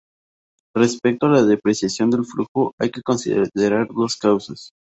Respecto a la depreciación del flujo hay que considerar dos causas.